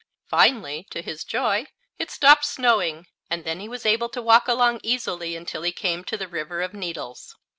Finally, to his joy, it stopped snowing, and then he was able to walk along easily until he came to the River of Needles.